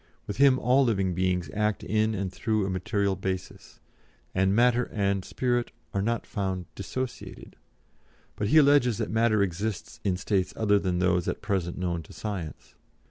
With him all living things act in and through a material basis, and 'matter' and 'spirit' are not found dissociated. But he alleges that matter exists in states other than those at present known to science.